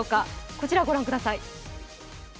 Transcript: こちらご覧ください。